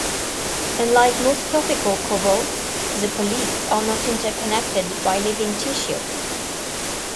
Unlike most tropical corals, the polyps are not interconnected by living tissue.